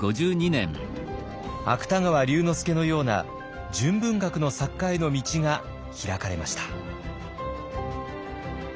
芥川龍之介のような純文学の作家への道が開かれました。